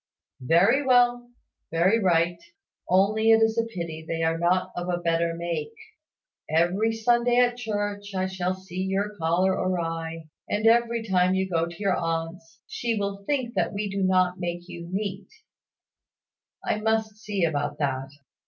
"Very well very right: only it is a pity they are not of a better make. Every Sunday at church, I shall see your collar awry and every time you go to your aunt's, she will think we do not make you neat. I must see about that.